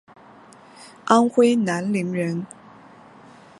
安徽南陵人。